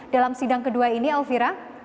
dalam sidang kedua ini elvira